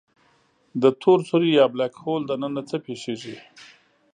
د تور سوری Black Hole دننه څه پېښېږي؟